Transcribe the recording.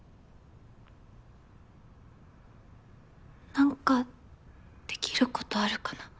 何かできることあるかな？